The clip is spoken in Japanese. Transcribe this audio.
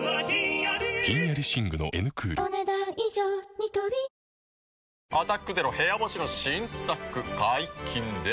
ニトリ「アタックＺＥＲＯ部屋干し」の新作解禁です。